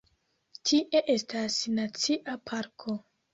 Tie estas nacia parko.